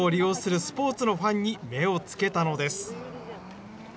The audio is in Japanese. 銭湯を利用するスポーツのファンに目をつけたのです。